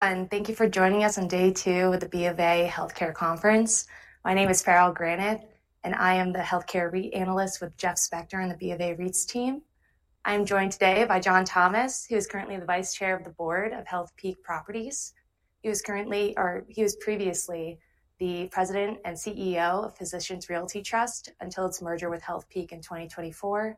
Thank you for joining us on day two of the B of A Healthcare Conference. My name is Farrell Granath, and I am the Healthcare REIT analyst with Jeff Spector on the B of A REITs team. I'm joined today by John Thomas, who is currently the Vice Chair of the Board of Healthpeak Properties. He was previously the President and CEO of Physicians Realty Trust until its merger with Healthpeak in 2024.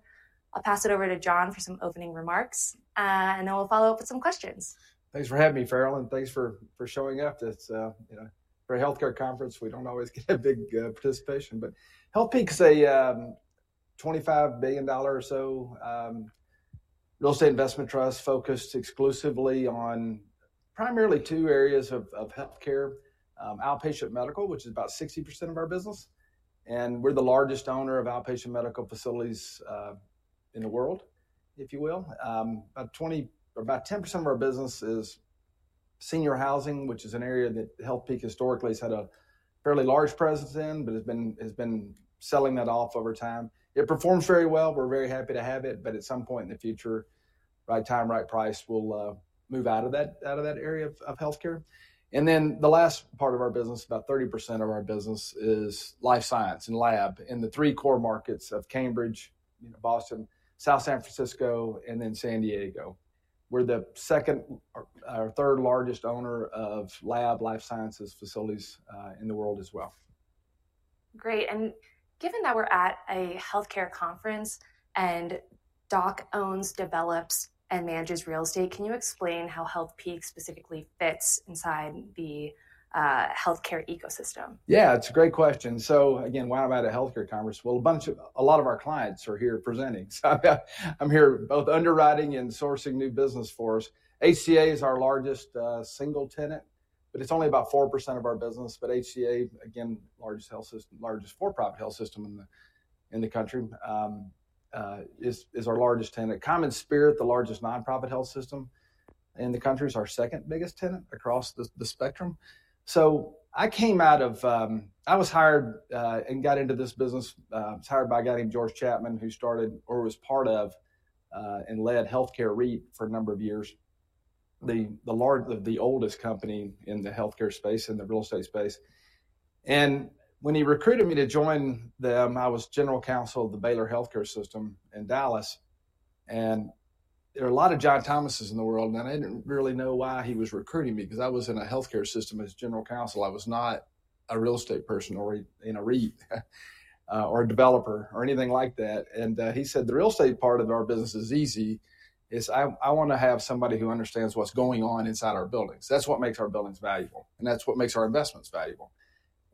I'll pass it over to John for some opening remarks, and then we'll follow up with some questions. Thanks for having me, Farrell, and thanks for showing up. It's, you know, for a healthcare conference, we don't always get a big participation, but Healthpeak is a $25 billion or so real estate investment trust focused exclusively on primarily two areas of healthcare: outpatient medical, which is about 60% of our business, and we're the largest owner of outpatient medical facilities in the world, if you will. About 20 or about 10% of our business is senior housing, which is an area that Healthpeak historically has had a fairly large presence in, but has been selling that off over time. It performs very well. We're very happy to have it, but at some point in the future, right time, right price, we'll move out of that area of healthcare. The last part of our business, about 30% of our business, is Life Science Lab in the three core markets of Cambridge, Boston, South San Francisco, and then San Diego. We are the second or third largest owner of lab life sciences facilities in the world as well. Great. Given that we're at a healthcare conference and DOC owns, develops, and manages real estate, can you explain how Healthpeak specifically fits inside the healthcare ecosystem? Yeah, it's a great question. Again, why am I at a healthcare conference? A lot of our clients are here presenting, so I'm here both underwriting and sourcing new business for us. HCA is our largest single tenant, but it's only about 4% of our business. HCA, again, largest health system, largest for-profit health system in the country, is our largest tenant. CommonSpirit, the largest nonprofit health system in the country, is our second biggest tenant across the spectrum. I came out of, I was hired and got into this business, was hired by a guy named George Chapman, who started or was part of and led Healthcare REIT for a number of years, the largest, the oldest company in the healthcare space, in the real estate space. When he recruited me to join them, I was General Counsel of the Baylor Healthcare System in Dallas. There are a lot of John Thomases in the world, and I did not really know why he was recruiting me, because I was in a healthcare system as General Counsel. I was not a real estate person or in a REIT or a developer or anything like that. He said, "The real estate part of our business is easy. I want to have somebody who understands what is going on inside our buildings. That is what makes our buildings valuable, and that is what makes our investments valuable."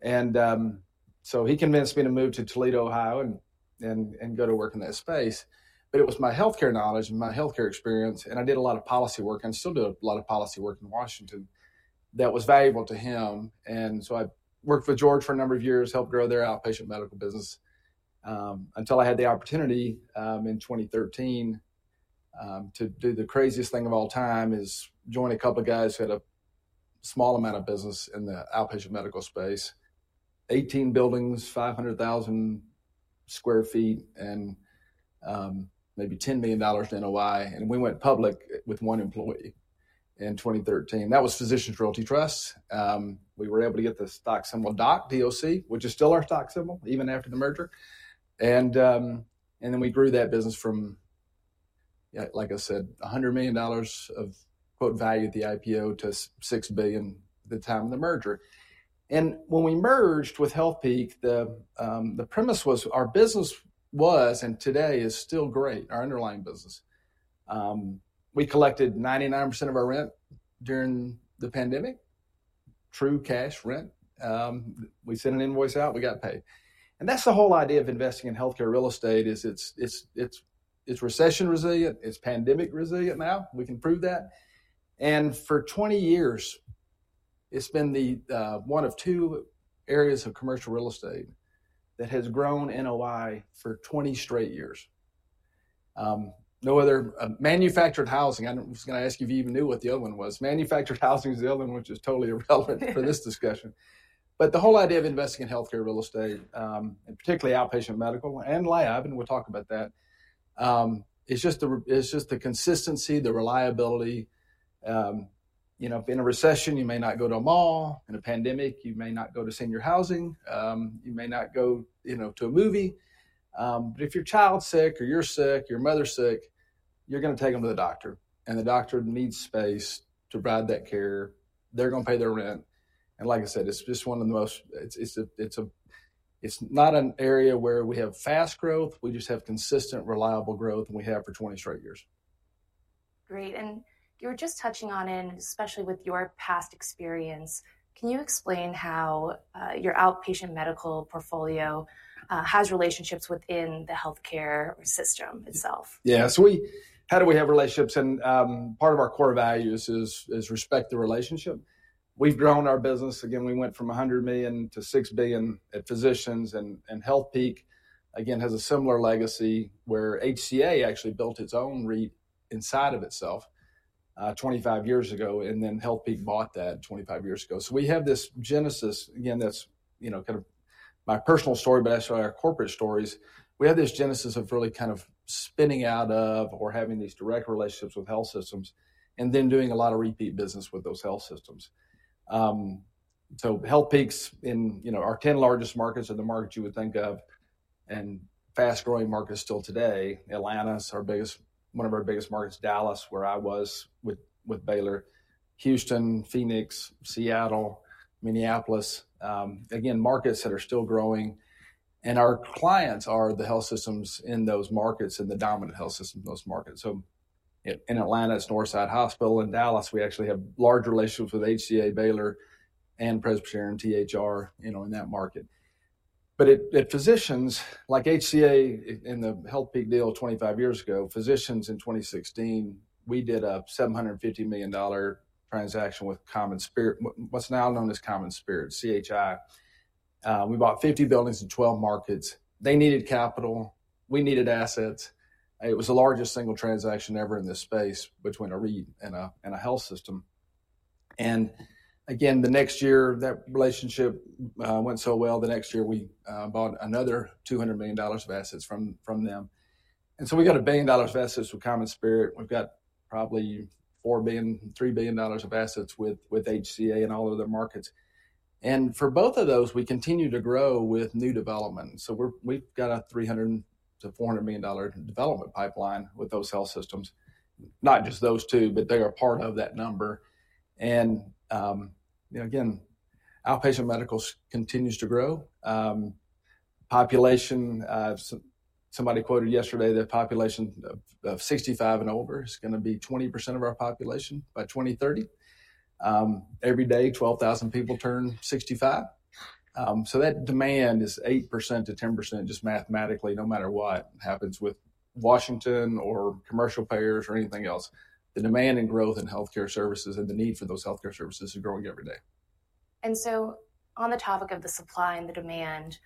He convinced me to move to Toledo, Ohio, and go to work in that space. It was my healthcare knowledge and my healthcare experience, and I did a lot of policy work, and I still do a lot of policy work in Washington, that was valuable to him. I worked with George for a number of years, helped grow their outpatient medical business until I had the opportunity in 2013 to do the craziest thing of all time, which is join a couple of guys who had a small amount of business in the outpatient medical space, 18 buildings, 500,000 sq ft, and maybe $10 million in NOI. We went public with one employee in 2013. That was Physicians Realty Trust. We were able to get the stock symbol DOC, D-O-C, which is still our stock symbol even after the merger. We grew that business from, like I said, $100 million of quote value at the IPO to $6 billion at the time of the merger. When we merged with Healthpeak, the premise was our business was and today is still great, our underlying business. We collected 99% of our rent during the pandemic, true cash rent. We sent an invoice out, we got paid. That is the whole idea of investing in healthcare real estate, it is recession resilient, it is pandemic resilient now. We can prove that. For 20 years, it has been one of two areas of commercial real estate that has grown NOI for 20 straight years. No other manufactured housing. I was going to ask you if you even knew what the other one was. Manufactured housing is the other one, which is totally irrelevant for this discussion. The whole idea of investing in healthcare real estate, and particularly outpatient medical and lab, and we'll talk about that, is just the consistency, the reliability. You know, in a recession, you may not go to a mall. In a pandemic, you may not go to senior housing. You may not go to a movie. If your child's sick or you're sick, your mother's sick, you're going to take them to the doctor, and the doctor needs space to provide that care. They're going to pay their rent. Like I said, it's just one of the most, it's not an area where we have fast growth. We just have consistent, reliable growth, and we have for 20 straight years. Great. You were just touching on it, and especially with your past experience, can you explain how your outpatient medical portfolio has relationships within the healthcare system itself? Yeah. So how do we have relationships? And part of our core values is respect the relationship. We've grown our business. Again, we went from 100 million to 6 billion at Physicians, and Healthpeak, again, has a similar legacy where HCA actually built its own REIT inside of itself 25 years ago, and then Healthpeak bought that 25 years ago. So we have this genesis, again, that's, you know, kind of my personal story, but actually our corporate stories. We have this genesis of really kind of spinning out of or having these direct relationships with health systems and then doing a lot of repeat business with those health systems. So Healthpeak's in, you know, our 10 largest markets are the markets you would think of and fast-growing markets still today. Atlanta's our biggest, one of our biggest markets. Dallas, where I was with Baylor. Houston, Phoenix, Seattle, Minneapolis. Again, markets that are still growing. Our clients are the health systems in those markets and the dominant health systems in those markets. In Atlanta, it's Northside Hospital. In Dallas, we actually have large relationships with HCA, Baylor, and Presbyterian THR, you know, in that market. At Physicians, like HCA in the Healthpeak deal 25 years ago, Physicians in 2016, we did a $750 million transaction with CommonSpirit, what's now known as CommonSpirit, CHI. We bought 50 buildings in 12 markets. They needed capital. We needed assets. It was the largest single transaction ever in this space between a REIT and a health system. The next year that relationship went so well. The next year we bought another $200 million of assets from them. We got a billion dollars of assets with CommonSpirit. We've got probably $4 billion, $3 billion of assets with HCA and all of their markets. For both of those, we continue to grow with new development. We've got a $300-$400 million development pipeline with those health systems. Not just those two, but they are part of that number. You know, again, outpatient medical continues to grow. Population, somebody quoted yesterday that population of 65 and older is going to be 20% of our population by 2030. Every day, 12,000 people turn 65. That demand is 8%-10% just mathematically, no matter what happens with Washington or commercial payers or anything else. The demand and growth in healthcare services and the need for those healthcare services is growing every day. On the topic of the supply and the demand,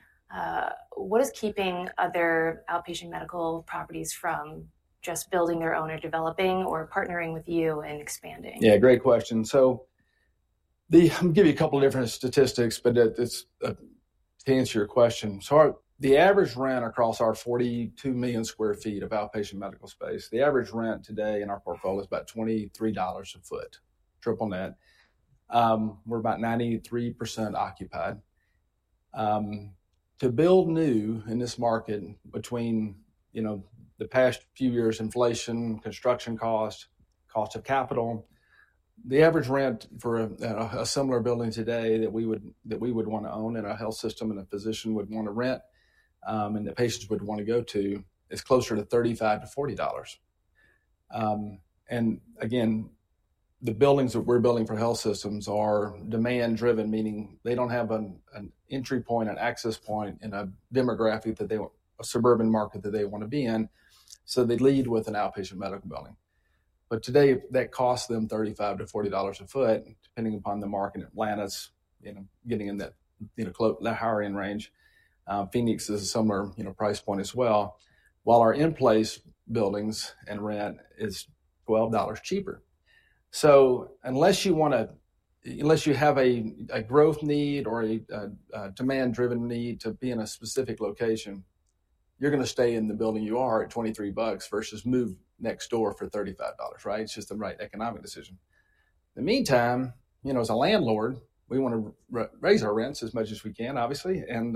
what is keeping other outpatient medical properties from just building their own or developing or partnering with you and expanding? Yeah, great question. I'll give you a couple of different statistics, but it's to answer your question. The average rent across our 42 million sq ft of outpatient medical space, the average rent today in our portfolio is about $23 a foot, triple net. We're about 93% occupied. To build new in this market between, you know, the past few years, inflation, construction costs, cost of capital, the average rent for a similar building today that we would want to own and a health system and a physician would want to rent and the patients would want to go to is closer to $35-$40. Again, the buildings that we're building for health systems are demand-driven, meaning they don't have an entry point, an access point in a demographic that they want, a suburban market that they want to be in. They lead with an outpatient medical building. But today that costs them $35-$40 a sq ft, depending upon the market. Atlanta's, you know, getting in that, you know, quote, the higher-end range. Phoenix is a similar, you know, price point as well, while our in-place buildings and rent is $12 cheaper. So unless you want to, unless you have a growth need or a demand-driven need to be in a specific location, you're going to stay in the building you are at $23 versus move next door for $35, right? It's just the right economic decision. In the meantime, you know, as a landlord, we want to raise our rents as much as we can, obviously, and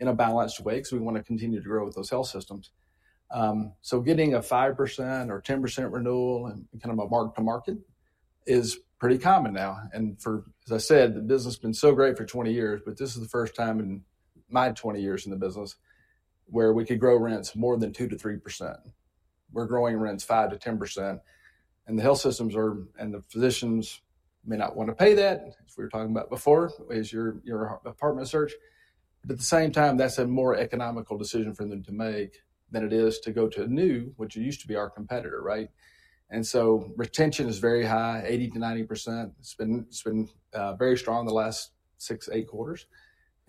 in a balanced way, because we want to continue to grow with those health systems. Getting a 5% or 10% renewal and kind of a mark-to-market is pretty common now. For, as I said, the business has been so great for 20 years, but this is the first time in my 20 years in the business where we could grow rents more than 2-3%. We're growing rents 5-10%. The health systems are, and the physicians may not want to pay that, as we were talking about before, as your apartment search. At the same time, that's a more economical decision for them to make than it is to go to a new, which used to be our competitor, right? Retention is very high, 80-90%. It's been very strong the last six, eight quarters.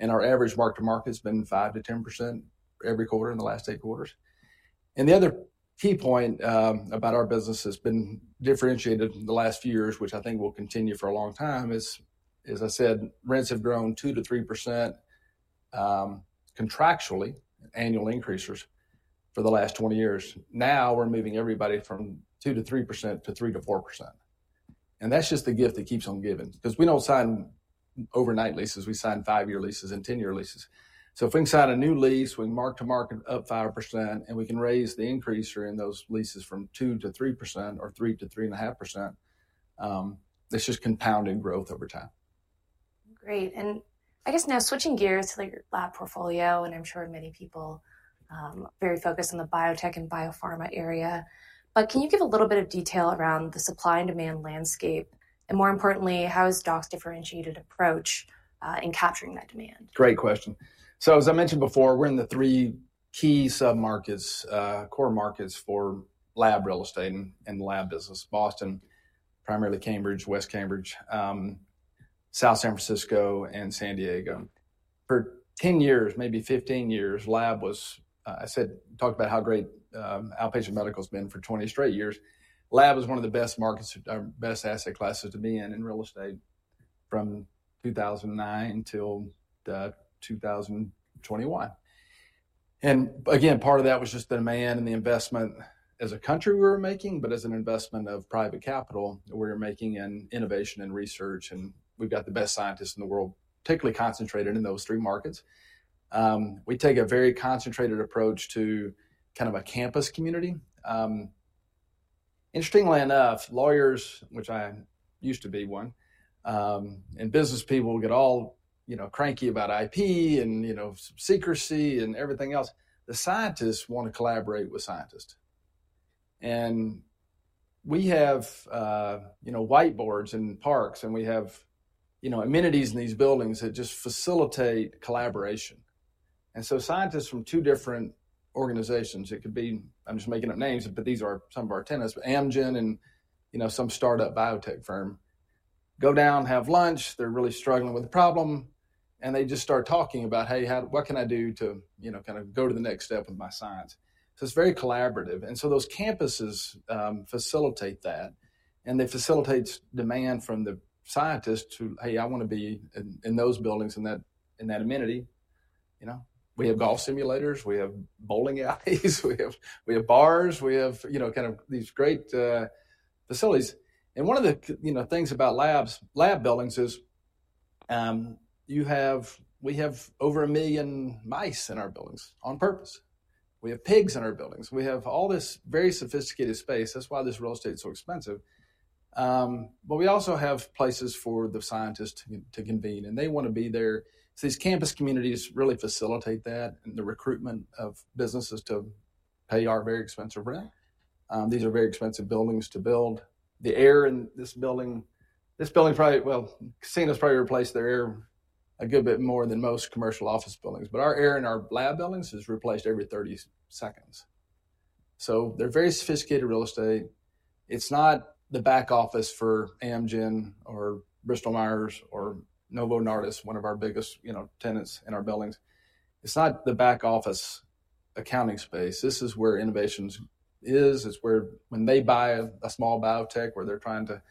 Our average mark-to-market has been 5-10% every quarter in the last eight quarters. The other key point about our business has been differentiated in the last few years, which I think will continue for a long time, is, as I said, rents have grown 2-3% contractually, annual increasers for the last 20 years. Now we're moving everybody from 2-3% to 3-4%. That's just the gift that keeps on giving, because we don't sign overnight leases. We sign five-year leases and 10-year leases. If we can sign a new lease, we mark-to-market up 5%, and we can raise the increaser in those leases from 2-3% or 3-3.5%. That's just compounding growth over time. Great. I guess now switching gears to the lab portfolio, and I'm sure many people are very focused on the biotech and biopharma area. Can you give a little bit of detail around the supply and demand landscape? More importantly, how has DOC's differentiated approach in capturing that demand? Great question. As I mentioned before, we're in the three key sub-markets, core markets for lab real estate and lab business: Boston, primarily Cambridge, West Cambridge, South San Francisco, and San Diego. For 10 years, maybe 15 years, lab was, I said, talked about how great outpatient medical has been for 20 straight years. Lab is one of the best markets, our best asset classes to be in in real estate from 2009 until 2021. Part of that was just the demand and the investment as a country we were making, but as an investment of private capital that we're making in innovation and research. We've got the best scientists in the world, particularly concentrated in those three markets. We take a very concentrated approach to kind of a campus community. Interestingly enough, lawyers, which I used to be one, and business people get all, you know, cranky about IP and, you know, secrecy and everything else. The scientists want to collaborate with scientists. And we have, you know, whiteboards in parks, and we have, you know, amenities in these buildings that just facilitate collaboration. Scientists from two different organizations, it could be, I'm just making up names, but these are some of our tenants, Amgen and, you know, some startup biotech firm, go down, have lunch. They're really struggling with the problem. They just start talking about, "Hey, what can I do to, you know, kind of go to the next step with my science?" It is very collaborative. Those campuses facilitate that. They facilitate demand from the scientists who, "Hey, I want to be in those buildings in that amenity." You know, we have golf simulators. We have bowling alleys. We have bars. We have, you know, kind of these great facilities. One of the things about labs, lab buildings is you have, we have over a million mice in our buildings on purpose. We have pigs in our buildings. We have all this very sophisticated space. That is why this real estate is so expensive. We also have places for the scientists to convene, and they want to be there. These campus communities really facilitate that and the recruitment of businesses to pay our very expensive rent. These are very expensive buildings to build. The air in this building, this building probably, well, casinos probably replace their air a good bit more than most commercial office buildings. But our air in our lab buildings is replaced every 30 seconds. So they're very sophisticated real estate. It's not the back office for Amgen or Bristol-Myers Squibb or Novo Nordisk, one of our biggest, you know, tenants in our buildings. It's not the back office accounting space. This is where innovation is. It's where when they buy a small biotech where they're trying to,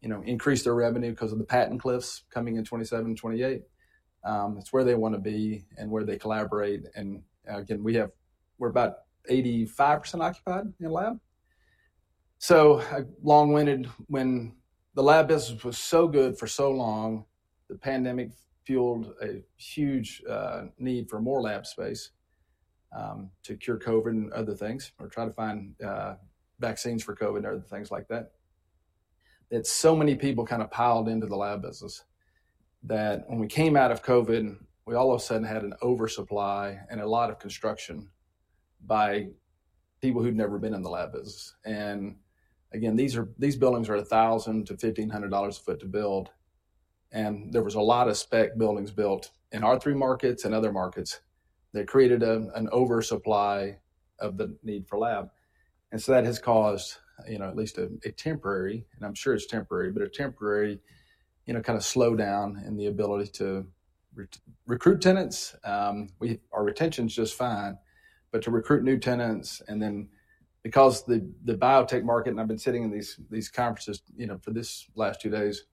you know, increase their revenue because of the patent cliffs coming in 2027, 2028, it's where they want to be and where they collaborate. And again, we have, we're about 85% occupied in lab. Long-winded, when the lab business was so good for so long, the pandemic fueled a huge need for more lab space to cure COVID and other things or try to find vaccines for COVID and other things like that. So many people kind of piled into the lab business that when we came out of COVID, we all of a sudden had an oversupply and a lot of construction by people who had never been in the lab business. These buildings are $1,000-$1,500 a foot to build. There was a lot of spec buildings built in our three markets and other markets that created an oversupply of the need for lab. That has caused, you know, at least a temporary, and I am sure it is temporary, but a temporary, you know, kind of slowdown in the ability to recruit tenants. Our retention is just fine, but to recruit new tenants and then because the biotech market, and I've been sitting in these conferences, you know, for this last two days,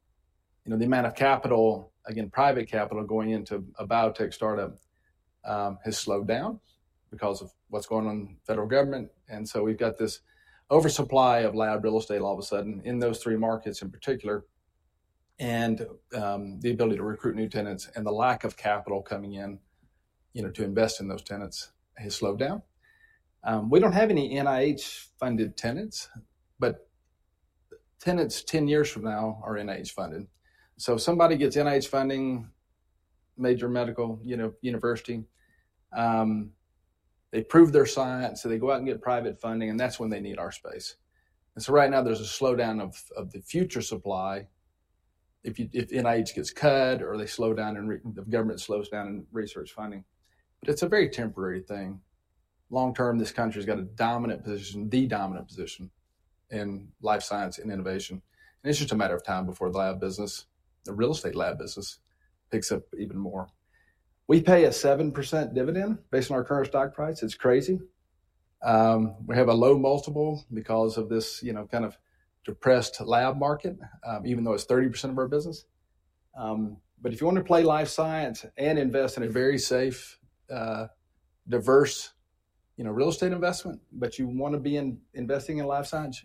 you know, the amount of capital, again, private capital going into a biotech startup has slowed down because of what's going on in the federal government. We have this oversupply of lab real estate all of a sudden in those three markets in particular. The ability to recruit new tenants and the lack of capital coming in, you know, to invest in those tenants has slowed down. We do not have any NIH-funded tenants, but tenants 10 years from now are NIH-funded. If somebody gets NIH funding, major medical, you know, university, they prove their science, so they go out and get private funding, and that's when they need our space. Right now there's a slowdown of the future supply. If NIH gets cut or they slow down and the government slows down in research funding, it's a very temporary thing. Long term, this country has got a dominant position, the dominant position in life science and innovation. It's just a matter of time before the lab business, the real estate lab business, picks up even more. We pay a 7% dividend based on our current stock price. It's crazy. We have a low multiple because of this, you know, kind of depressed lab market, even though it's 30% of our business. If you want to play life science and invest in a very safe, diverse, you know, real estate investment, but you want to be investing in life science,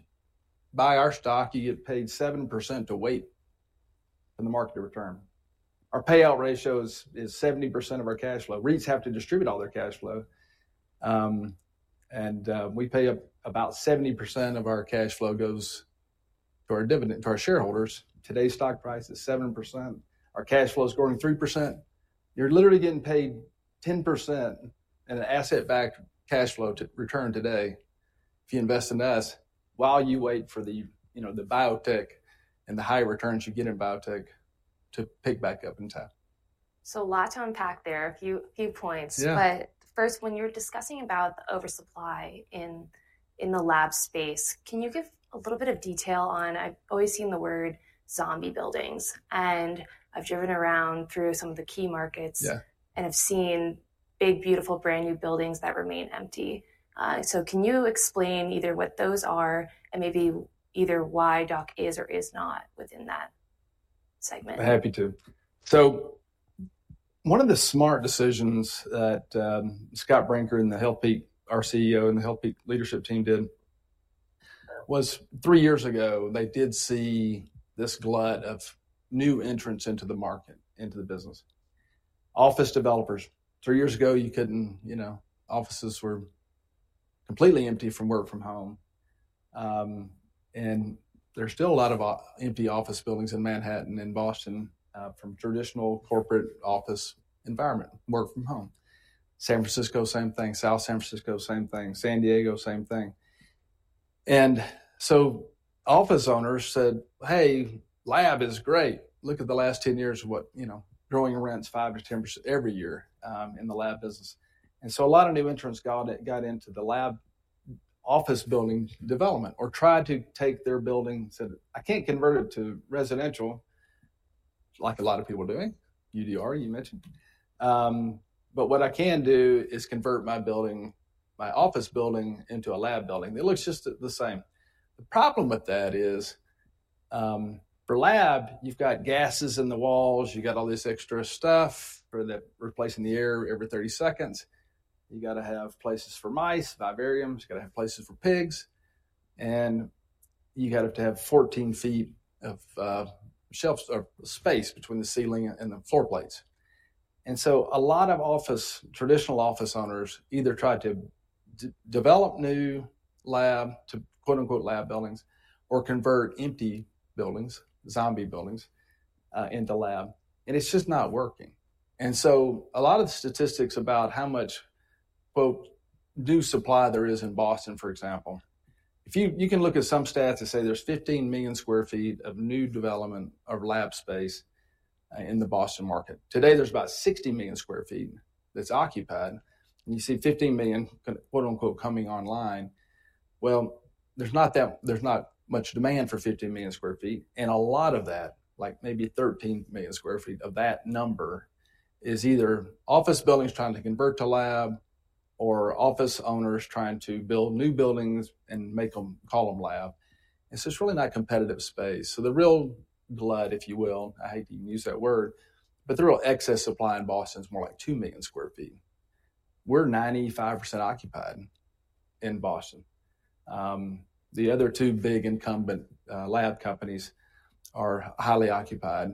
buy our stock. You get paid 7% to wait for the market to return. Our payout ratio is 70% of our cash flow. REITs have to distribute all their cash flow. We pay out about 70% of our cash flow goes to our dividend to our shareholders. Today's stock price is 7%. Our cash flow is growing 3%. You're literally getting paid 10% in an asset-backed cash flow to return today if you invest in us while you wait for the, you know, the biotech and the high returns you get in biotech to pick back up in time. A lot to unpack there, a few points. First, when you're discussing about the oversupply in the lab space, can you give a little bit of detail on, I've always seen the word zombie buildings, and I've driven around through some of the key markets and have seen big, beautiful, brand new buildings that remain empty. Can you explain either what those are and maybe either why DOC is or is not within that segment? I'm happy to. One of the smart decisions that Scott Brinker, our CEO, and the Healthpeak leadership team did was three years ago, they did see this glut of new entrants into the market, into the business. Office developers, three years ago, you couldn't, you know, offices were completely empty from work from home. There's still a lot of empty office buildings in Manhattan and Boston from traditional corporate office environment, work from home. San Francisco, same thing. South San Francisco, same thing. San Diego, same thing. Office owners said, "Hey, lab is great. Look at the last 10 years of what, you know, growing rents 5-10% every year in the lab business. A lot of new entrants got into the lab office building development or tried to take their building, said, "I can't convert it to residential," like a lot of people doing, UDR you mentioned. "What I can do is convert my building, my office building into a lab building." It looks just the same. The problem with that is for lab, you've got gases in the walls. You've got all this extra stuff for that replacing the air every 30 seconds. You got to have places for mice, vivariums. You got to have places for pigs. You got to have 14 ft of shelves or space between the ceiling and the floor plates. A lot of office, traditional office owners either try to develop new lab, to quote unquote lab buildings, or convert empty buildings, zombie buildings, into lab. It is just not working. A lot of the statistics about how much quote new supply there is in Boston, for example, if you can look at some stats and say there is 15 million sq ft of new development of lab space in the Boston market. Today, there is about 60 million sq ft that is occupied. You see 15 million quote unquote coming online. There is not that, there is not much demand for 15 million sq ft. A lot of that, like maybe 13 million sq ft of that number, is either office buildings trying to convert to lab or office owners trying to build new buildings and make them, call them lab. It is just really not competitive space. The real glut, if you will, I hate to even use that word, but the real excess supply in Boston is more like 2 million sq ft. We're 95% occupied in Boston. The other two big incumbent lab companies are highly occupied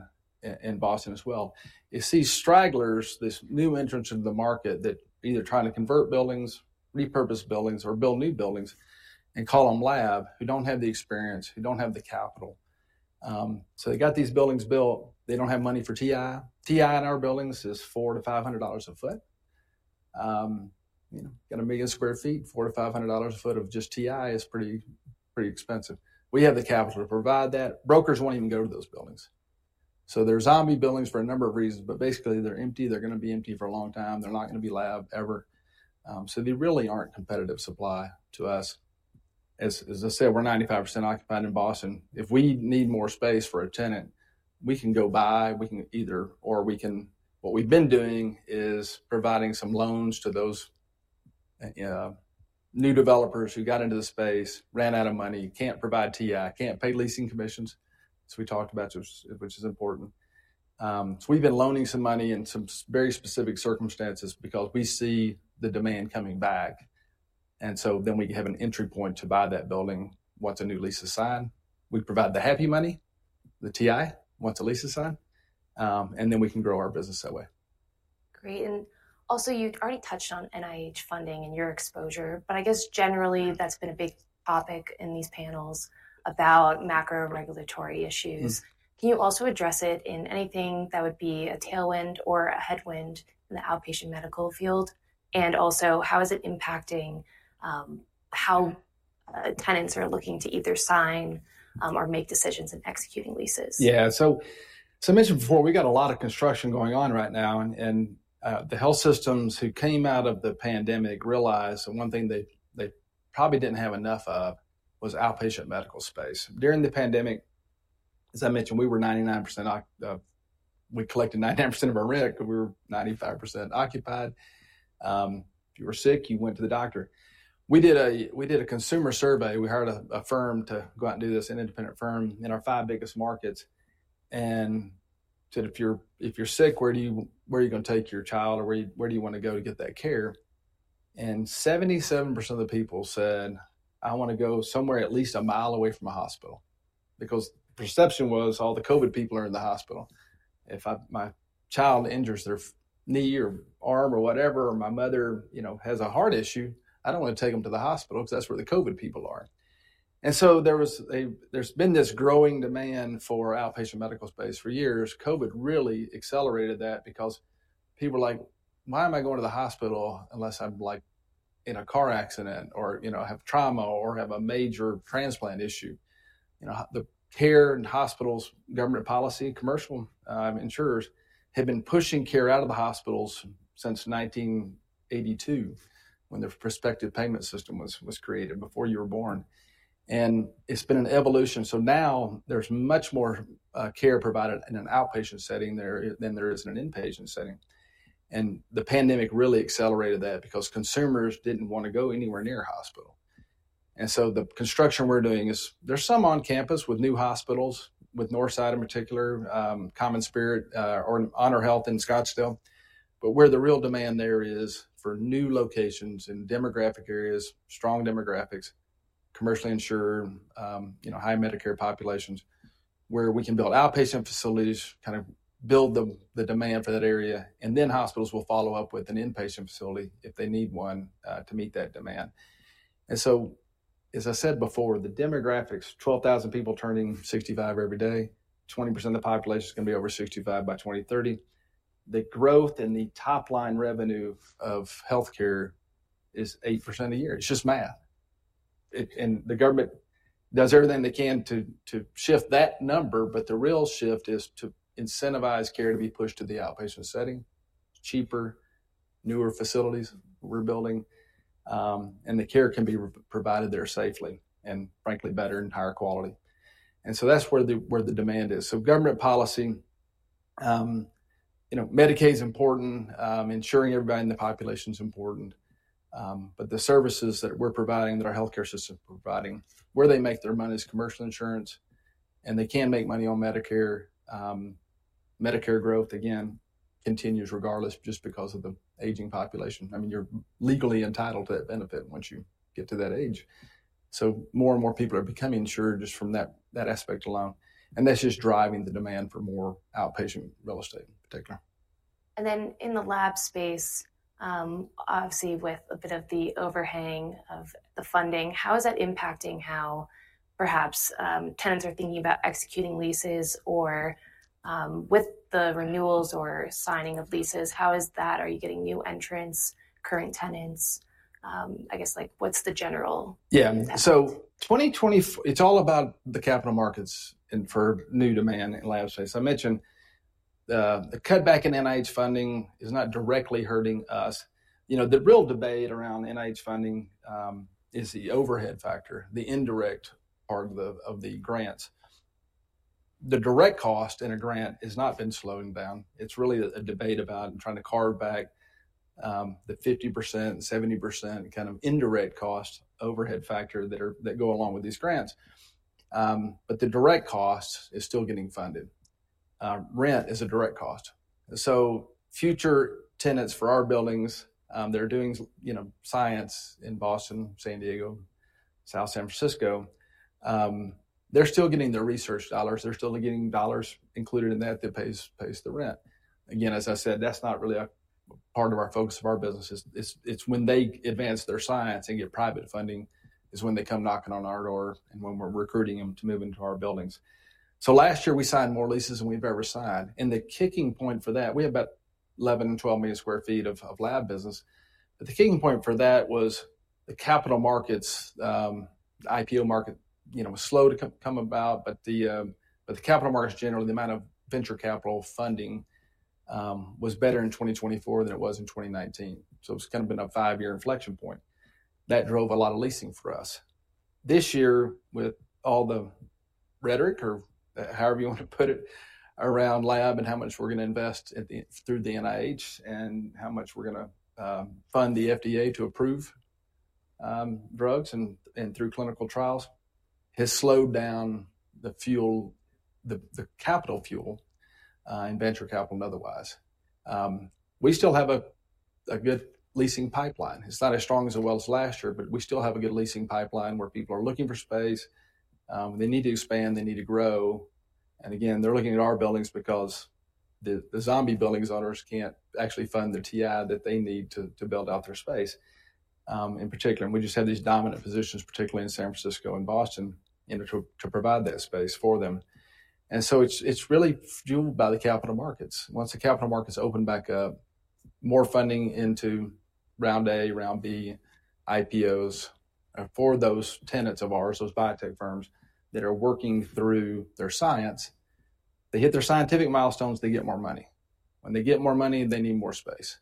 in Boston as well. You see stragglers, this new entrance into the market that either trying to convert buildings, repurpose buildings, or build new buildings and call them lab who don't have the experience, who don't have the capital. They got these buildings built. They don't have money for TI. TI in our buildings is $400-$500 a foot. You know, got a million sq ft, $400-$500 a foot of just TI is pretty, pretty expensive. We have the capital to provide that. Brokers won't even go to those buildings. They're zombie buildings for a number of reasons, but basically they're empty. They're going to be empty for a long time. They're not going to be lab ever. They really aren't competitive supply to us. As I said, we're 95% occupied in Boston. If we need more space for a tenant, we can go buy. We can either, or we can, what we've been doing is providing some loans to those new developers who got into the space, ran out of money, can't provide TI, can't pay leasing commissions. We talked about this, which is important. We've been loaning some money in some very specific circumstances because we see the demand coming back. We have an entry point to buy that building once a new lease is signed. We provide the happy money, the TI, once a lease is signed. We can grow our business that way. Great. You already touched on NIH funding and your exposure, but I guess generally that's been a big topic in these panels about macro regulatory issues. Can you also address it in anything that would be a tailwind or a headwind in the outpatient medical field? Also, how is it impacting how tenants are looking to either sign or make decisions in executing leases? Yeah. I mentioned before, we got a lot of construction going on right now. The health systems who came out of the pandemic realized that one thing they probably did not have enough of was outpatient medical space. During the pandemic, as I mentioned, we were 99%, we collected 99% of our rent because we were 95% occupied. If you were sick, you went to the doctor. We did a consumer survey. We hired a firm to go out and do this, an independent firm in our five biggest markets. We said, "If you are sick, where are you going to take your child or where do you want to go to get that care?" 77% of the people said, "I want to go somewhere at least a mile away from a hospital." The perception was all the COVID people are in the hospital. If my child injures their knee or arm or whatever, or my mother, you know, has a heart issue, I do not want to take them to the hospital because that is where the COVID people are. There has been this growing demand for outpatient medical space for years. COVID really accelerated that because people were like, "Why am I going to the hospital unless I am like in a car accident or, you know, have trauma or have a major transplant issue?" You know, the care and hospitals, government policy, commercial insurers have been pushing care out of the hospitals since 1982 when the prospective payment system was created before you were born. It has been an evolution. Now there is much more care provided in an outpatient setting than there is in an inpatient setting. The pandemic really accelerated that because consumers did not want to go anywhere near a hospital. The construction we are doing is there is some on campus with new hospitals with Northside in particular, CommonSpirit or HonorHealth in Scottsdale. Where the real demand is for new locations in demographic areas, strong demographics, commercially insured, high Medicare populations, where we can build outpatient facilities, kind of build the demand for that area. Hospitals will follow up with an inpatient facility if they need one to meet that demand. As I said before, the demographics, 12,000 people turning 65 every day, 20% of the population is going to be over 65 by 2030. The growth in the top line revenue of healthcare is 8% a year. It is just math. The government does everything they can to shift that number, but the real shift is to incentivize care to be pushed to the outpatient setting, cheaper, newer facilities we're building, and the care can be provided there safely and frankly better and higher quality. That is where the demand is. Government policy, you know, Medicaid's important, ensuring everybody in the population is important. The services that we're providing, that our healthcare system is providing, where they make their money is commercial insurance. They can make money on Medicare. Medicare growth, again, continues regardless just because of the aging population. I mean, you're legally entitled to that benefit once you get to that age. More and more people are becoming insured just from that aspect alone. That is just driving the demand for more outpatient real estate in particular. In the lab space, obviously with a bit of the overhang of the funding, how is that impacting how perhaps tenants are thinking about executing leases or with the renewals or signing of leases? How is that? Are you getting new entrants, current tenants? I guess like what's the general? Yeah. So 2024, it's all about the capital markets and for new demand in lab space. I mentioned the cutback in NIH funding is not directly hurting us. You know, the real debate around NIH funding is the overhead factor, the indirect part of the grants. The direct cost in a grant has not been slowing down. It's really a debate about trying to carve back the 50%-70% kind of indirect cost overhead factor that go along with these grants. But the direct cost is still getting funded. Rent is a direct cost. So future tenants for our buildings, they're doing, you know, science in Boston, San Diego, South San Francisco. They're still getting their research dollars. They're still getting dollars included in that that pays the rent. Again, as I said, that's not really a part of our focus of our business. It's when they advance their science and get private funding is when they come knocking on our door and when we're recruiting them to move into our buildings. Last year we signed more leases than we've ever signed. The kicking point for that, we have about 11-12 million sq ft of lab business. The kicking point for that was the capital markets, the IPO market, you know, was slow to come about, but the capital markets generally, the amount of venture capital funding was better in 2024 than it was in 2019. It's kind of been a five-year inflection point that drove a lot of leasing for us. This year with all the rhetoric or however you want to put it around lab and how much we're going to invest through the NIH and how much we're going to fund the FDA to approve drugs and through clinical trials has slowed down the fuel, the capital fuel and venture capital and otherwise. We still have a good leasing pipeline. It's not as strong as it was last year, but we still have a good leasing pipeline where people are looking for space. They need to expand. They need to grow. Again, they're looking at our buildings because the zombie building owners can't actually fund the TI that they need to build out their space in particular. We just have these dominant positions, particularly in San Francisco and Boston, to provide that space for them. It's really fueled by the capital markets. Once the capital markets open back up, more funding into round A, round B, IPOs for those tenants of ours, those biotech firms that are working through their science, they hit their scientific milestones, they get more money. When they get more money, they need more space.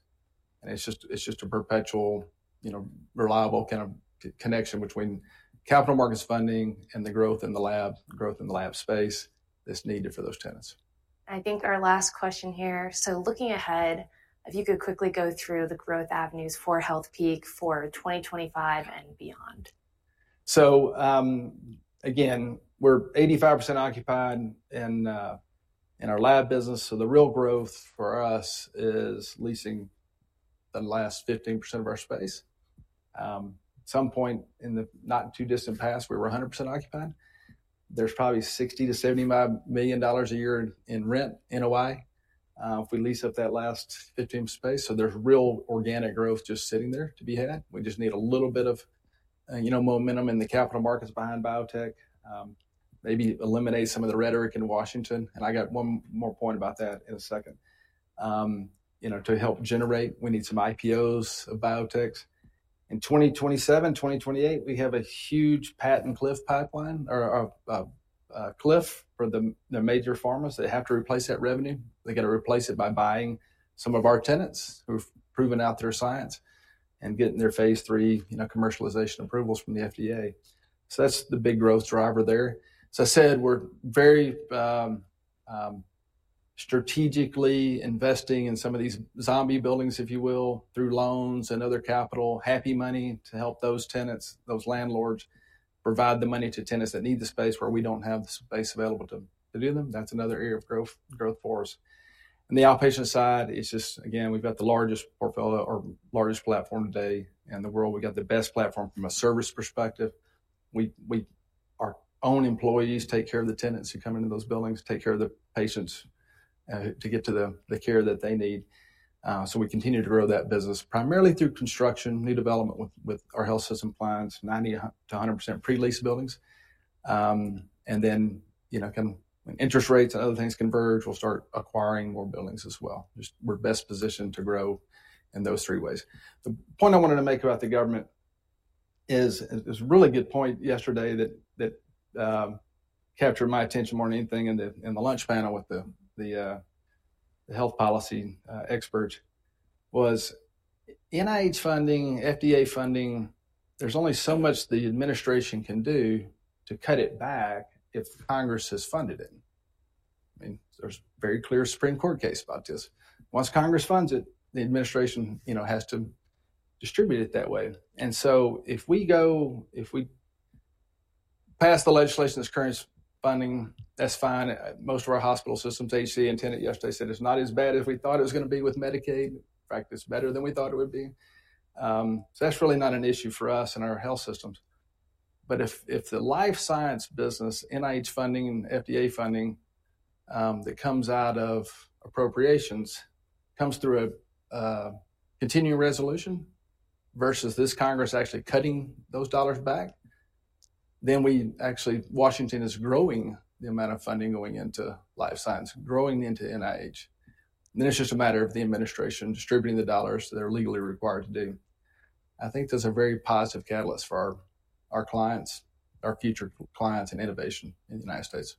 It's just a perpetual, you know, reliable kind of connection between capital markets funding and the growth in the lab, growth in the lab space that's needed for those tenants. I think our last question here. So looking ahead, if you could quickly go through the growth avenues for Healthpeak for 2025 and beyond. Again, we're 85% occupied in our lab business. The real growth for us is leasing the last 15% of our space. At some point in the not too distant past, we were 100% occupied. There's probably $60 million-$75 million a year in rent NOI if we lease up that last 15% space. There's real organic growth just sitting there to be had. We just need a little bit of, you know, momentum in the capital markets behind biotech, maybe eliminate some of the rhetoric in Washington. I got one more point about that in a second. You know, to help generate, we need some IPOs of biotechs. In 2027, 2028, we have a huge patent cliff pipeline or a cliff for the major pharmas that have to replace that revenue. They got to replace it by buying some of our tenants who've proven out their science and getting their phase three, you know, commercialization approvals from the FDA. That's the big growth driver there. As I said, we're very strategically investing in some of these zombie buildings, if you will, through loans and other capital, happy money to help those tenants, those landlords provide the money to tenants that need the space where we don't have the space available to do them. That's another area of growth for us. On the outpatient side, it's just, again, we've got the largest portfolio or largest platform today in the world. We've got the best platform from a service perspective. Our own employees take care of the tenants who come into those buildings, take care of the patients to get to the care that they need. We continue to grow that business primarily through construction, new development with our health system clients, 90-100% pre-lease buildings. You know, when interest rates and other things converge, we'll start acquiring more buildings as well. We're best positioned to grow in those three ways. The point I wanted to make about the government is a really good point yesterday that captured my attention more than anything in the lunch panel with the health policy experts was NIH funding, FDA funding. There's only so much the administration can do to cut it back if Congress has funded it. I mean, there's a very clear Supreme Court case about this. Once Congress funds it, the administration, you know, has to distribute it that way. If we pass the legislation that's current funding, that's fine. Most of our hospital systems, HCA and Tenet yesterday said it's not as bad as we thought it was going to be with Medicaid. In fact, it's better than we thought it would be. That's really not an issue for us and our health systems. If the life science business, NIH funding, FDA funding that comes out of appropriations comes through a continuing resolution versus this Congress actually cutting those dollars back, then Washington is growing the amount of funding going into life science, growing into NIH. It's just a matter of the administration distributing the dollars that they're legally required to do. I think there's a very positive catalyst for our clients, our future clients, and innovation in the United States.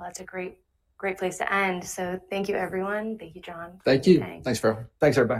That's a great, great place to end. Thank you, everyone. Thank you, John. Thank you. Thanks, Farrell. Thanks everybody.